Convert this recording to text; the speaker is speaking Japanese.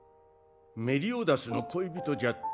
メリオダスの恋人じゃった。